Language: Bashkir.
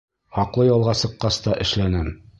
Хаҡлы ялға сыҡҡас та эшләнем.